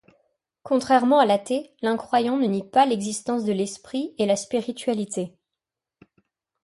Contrairement à l'athée, l'incroyant ne nie pas l'existence de l'esprit et la spiritualité.